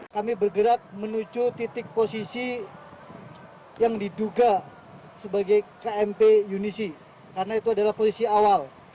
kami bergerak menuju titik posisi yang diduga sebagai kmp yunisi karena itu adalah posisi awal